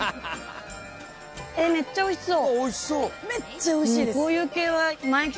めっちゃおいしそう。